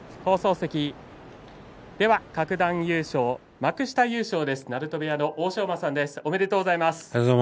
各段優勝、幕下優勝です鳴戸部屋、欧勝馬さんですおめでとうございます。